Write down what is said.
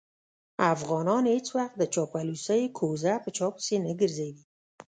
افغانان هېڅ وخت د چاپلوسۍ کوزه په چا پسې نه ګرځوي.